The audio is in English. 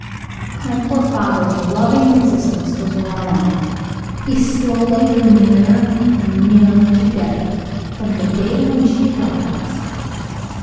My poor father's loving resistance was worn out; he slowly drew nearer and nearer to death, from the day when she left us.